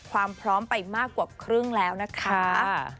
ความพร้อมไปมากกว่าครึ่งแล้วนะคะ